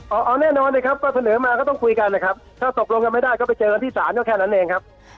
เอาเอาแน่นอนนะครับก็เสนอมาก็ต้องคุยกันนะครับถ้าตกลงกันไม่ได้ก็ไปเจอกันที่ศาลก็แค่นั้นเองครับ